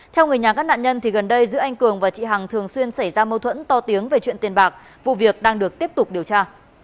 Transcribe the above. theo người nhà các nạn nhân gần đây giữa anh cường và chị hằng thường xuyên xảy ra mâu thuẫn to tiếng về chuyện tiền bạc vụ việc đang được tiếp tục điều tra